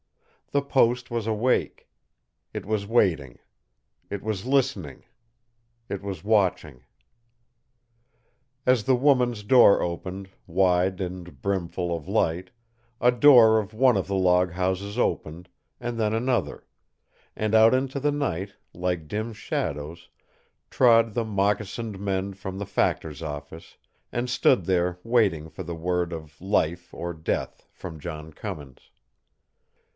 The post was awake. It was waiting. It was listening. It was watching. As the woman's door opened, wide and brimful of light, a door of one of the log houses opened, and then another, and out into the night, like dim shadows, trod the moccasined men from the factor's office, and stood there waiting for the word of life or death from John Cummins.